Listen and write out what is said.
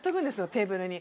テーブルに。